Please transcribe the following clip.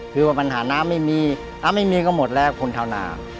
คือว่าปัญหาน้ำไม่มีน้ำไม่มีก็หมดแล้วคนชาวนา